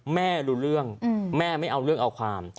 แม่รู้เรื่องแม่ไม่เอาเรื่องเอาความ